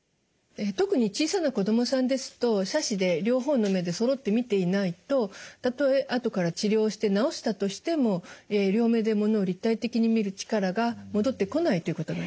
特に小さな子どもさんですと斜視で両方の目でそろって見ていないとたとえ後から治療して治したとしても両目で物を立体的に見る力が戻ってこないということになります。